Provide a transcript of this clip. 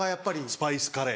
スパイスカレー。